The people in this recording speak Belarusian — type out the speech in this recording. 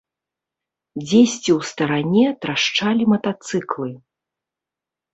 Дзесьці ў старане трашчалі матацыклы.